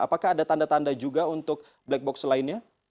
apakah ada tanda tanda juga untuk black box lainnya